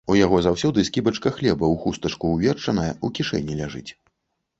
У яго заўсёды скібачка хлеба ў хустачку ўверчаная ў кішэні ляжыць.